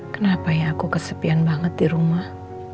kenapa ya aku kesepian banget di rumah